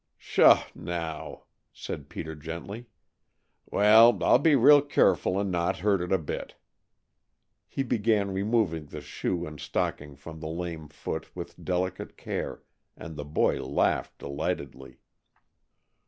"Pshaw, now!" said Peter gently. "Well, I'll be real careful and not hurt it a bit." He began removing the shoe and stocking from the lame foot with delicate care, and the boy laughed delightedly.